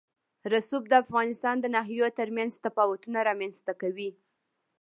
رسوب د افغانستان د ناحیو ترمنځ تفاوتونه رامنځ ته کوي.